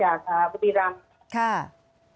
อันดับที่สุดท้าย